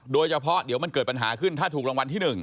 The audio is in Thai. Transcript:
โดยเฉพาะเดี๋ยวมันเกิดปัญหาขึ้นถ้าถูกรางวัลที่๑